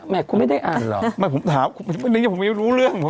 แม่คุณไม่ได้อ่านหรอไม่ผมถามไม่นึกว่าผมไม่รู้เรื่อง